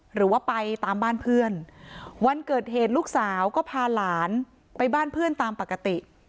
หรือว่าไปตามบ้านเพื่อนวันเกิดเหตุลูกสาวก็พาหลานไปบ้านเพื่อนตามปกติ